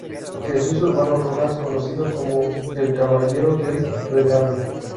Jesús Urbano Rojas, conocido como ""El Caballero del Retablo"".